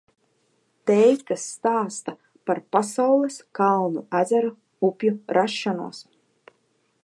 Teikas stāsta par pasaules, kalnu, ezeru, upju rašanos.